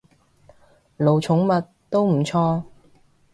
奴寵物，都唔錯